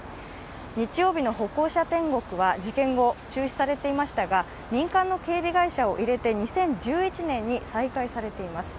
日曜日の歩行者天国は事件後注視されていましたが民間の警備会社を入れて２０１１年に再開されています。